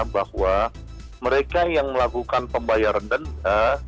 bahwa mereka yang melakukan pembayaran denda